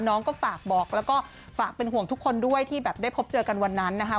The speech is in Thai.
น้องก็ฝากบอกแล้วก็ฝากเป็นห่วงทุกคนด้วยที่แบบได้พบเจอกันวันนั้นนะคะ